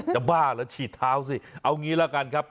บ้าเหรอฉีดเท้าสิเอางี้ละกันครับ